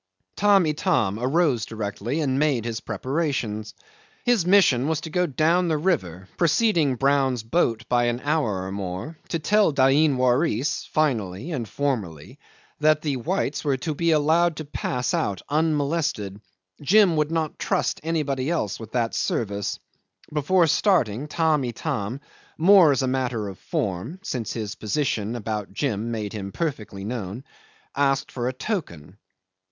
'Tamb' Itam arose directly and made his preparations. His mission was to go down the river, preceding Brown's boat by an hour or more, to tell Dain Waris finally and formally that the whites were to be allowed to pass out unmolested. Jim would not trust anybody else with that service. Before starting, Tamb' Itam, more as a matter of form (since his position about Jim made him perfectly known), asked for a token.